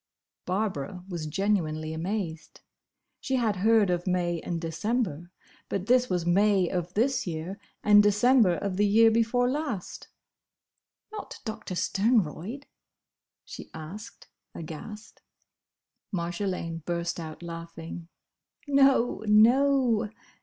Barbara was genuinely amazed. She had heard of May and December, but this was May of this year and December of the year before last. "Not Doctor Sternroyd?" she asked aghast. Marjolaine burst out laughing. "No, no!"